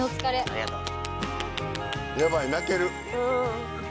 ありがとう。